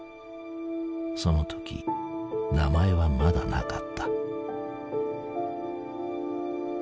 その時名前はまだなかった。